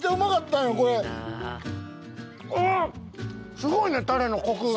すごいねタレのコクが。